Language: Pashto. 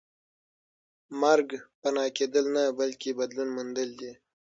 مرګ فنا کېدل نه بلکې بدلون موندل دي